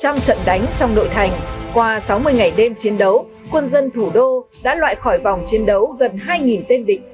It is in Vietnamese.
trong trận đánh trong nội thành qua sáu mươi ngày đêm chiến đấu quân dân thủ đô đã loại khỏi vòng chiến đấu gần hai tên định